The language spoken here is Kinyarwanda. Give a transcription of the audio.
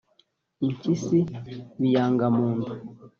impyisi biyanga mu nda,